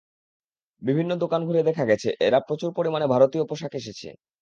বিভিন্ন দোকান ঘুরে দেখা গেছে, এবার প্রচুর পরিমাণে ভারতীয় পোশাক এসেছে।